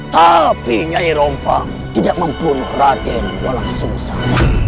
tapi nyai rongkang tidak membunuh praden walau susah